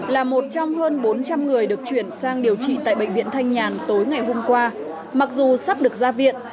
là một trong hơn bốn trăm linh người được chuyển sang điều trị tại bệnh viện thanh nhàn tối ngày hôm qua mặc dù sắp được ra viện